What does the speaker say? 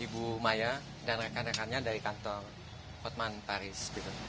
ibu maya dan rekan rekannya dari kantor hotman paris